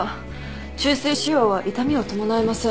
虫垂腫瘍は痛みを伴いません。